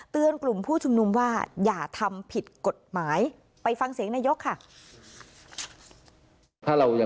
เตือนกลุ่มผู้ชุมนุมว่าอย่าทำผิดกฎหมาย